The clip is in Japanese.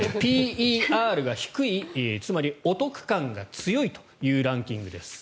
ＰＥＲが低い、つまりお得感が強いというランキングです。